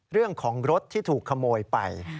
เรื่องของรถที่ถูกขโมยไป